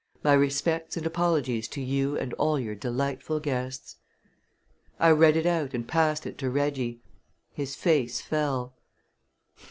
My respects and apologies to you and all your delightful guests." I read it out and passed it to Reggie. His face fell.